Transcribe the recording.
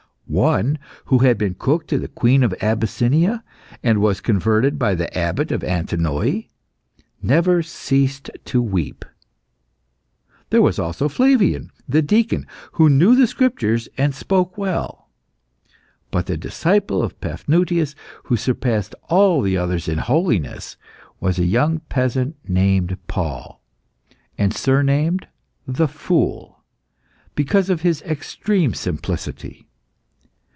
One, who had been cook to the Queen of Abyssinia, and was converted by the Abbot of Antinoe, never ceased to weep. There was also Flavian, the deacon, who knew the Scriptures, and spoke well; but the disciple of Paphnutius who surpassed all the others in holiness was a young peasant named Paul, and surnamed the Fool, because of his extreme simplicity.